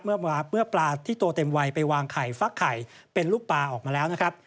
เมื่อปลาที่โตเต็มวัยไปวางไข่ฟักไข่เป็นลูกปลาออกมาแล้วนะครับ